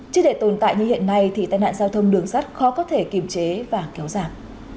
chứ để tồn tại như hiện nay thì tai nạn giao thông đường sắt khó có thể kiểm chế và kéo giảm